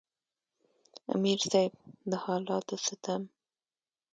امیر صېب د حالاتو ستم،